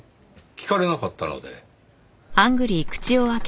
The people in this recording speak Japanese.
聞かれなかったので。